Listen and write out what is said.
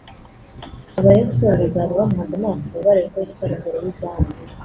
aba-Rayon Sports bazaba bamuhanze amaso bareba uko yitwara imbere y’izamu